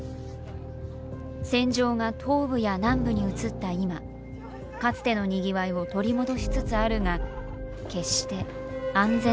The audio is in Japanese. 戦場が東部や南部に移った今かつてのにぎわいを取り戻しつつあるが決して安全ではない。